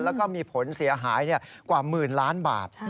แล้วก็มีผลเสียหายกว่าหมื่นล้านบาท